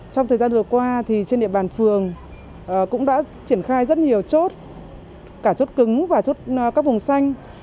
trong thời gian vừa qua trên địa bàn phường cũng đã triển khai rất nhiều chốt cả chốt cứng và chốt các vùng xanh